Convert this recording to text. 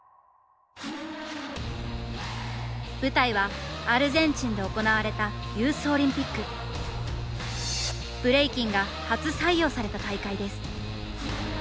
舞台はアルゼンチンで行われたブレイキンが初採用された大会です。